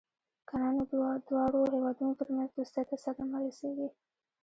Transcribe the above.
کنه نو د دواړو هېوادونو ترمنځ دوستۍ ته صدمه رسېږي.